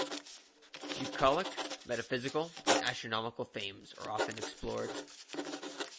Bucolic, metaphysical and astronomical themes are often explored.